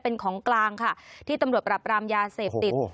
เป็นของกลางค่ะที่ตำรวจปรับรามยาเสพติด